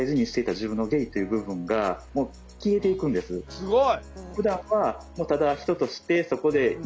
すごい。